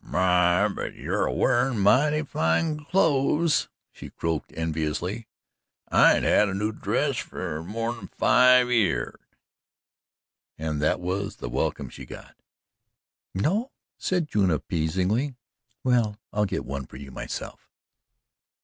"My, but you air wearin' mighty fine clothes," she croaked enviously. "I ain't had a new dress fer more'n five year;" and that was the welcome she got. "No?" said June appeasingly. "Well, I'll get one for you myself."